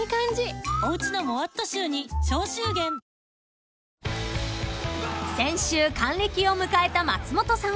ニトリ［先週還暦を迎えた松本さん］